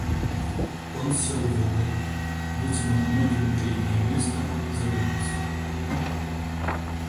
Он сел в угол, вытянул ноги на переднее место и задумался.